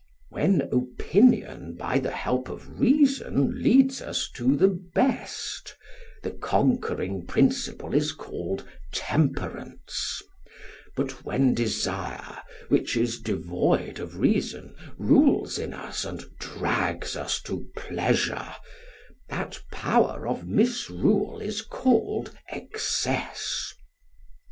When opinion by the help of reason leads us to the best, the conquering principle is called temperance; but when desire, which is devoid of reason, rules in us and drags us to pleasure, that power of misrule is called excess.